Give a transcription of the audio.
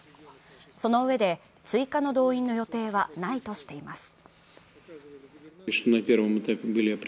そのうえで、追加の動員の予定はないとしています。